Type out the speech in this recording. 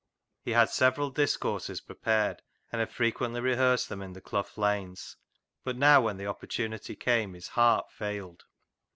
He had several dis courses prepared, and had frequently rehearsed them in the clough lanes, but now when the opportunity came his heart failed.